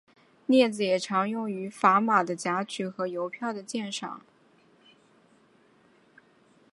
镊子也常用于砝码的夹取和邮票的鉴赏。